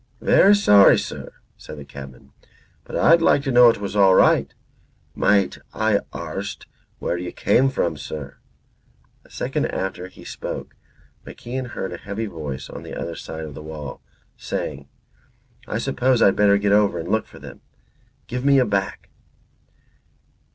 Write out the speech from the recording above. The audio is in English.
"Very sorry, sir," said the cabman, "but I'd like to know it was all right. Might I arst where you come from, sir?" A second after he spoke MacIan heard a heavy voice on the other side of the wall, saying: "I suppose I'd better get over and look for them. Give me a back."